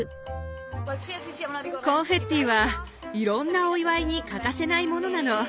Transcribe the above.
コンフェッティはいろんなお祝いに欠かせないものなの。